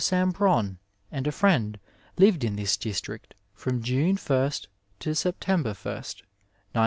Sambron and a friend lived in this district from June 1 to September 1, 1900.